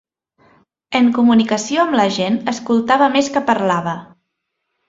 En comunicació amb la gent escoltava més que parlava.